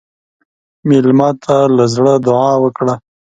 مېلمه ته له زړه دعا وکړه.